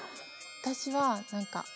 私は何か。